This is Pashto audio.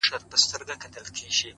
• نه ګولۍ او نه مرمي مي چلولي ,